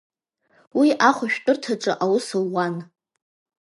Уи ахәышәтәырҭаҿы аус луан.